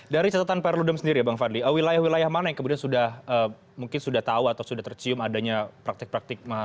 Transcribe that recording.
dari catatan perludem sendiri ya bang fadli wilayah wilayah mana yang kemudian sudah mungkin sudah tahu atau sudah tercium adanya praktik praktik